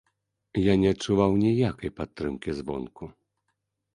Я не адчуваў ніякай падтрымкі звонку.